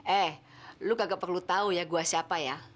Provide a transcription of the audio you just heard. eh lo kagak perlu tahu ya gue siapa ya